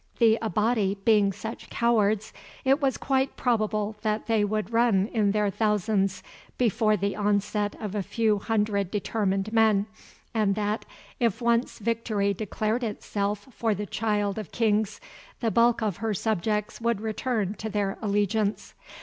The Abati being such cowards it was quite probable that they would run in their thousands before the onset of a few hundred determined men, and that, if once victory declared itself for the Child of Kings, the bulk of her subjects would return to their allegiance.